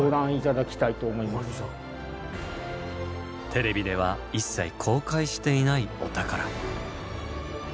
テレビでは一切公開していないお宝。